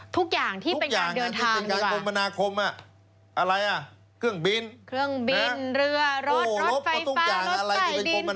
ทุกอย่างที่เป็นการเดินทาง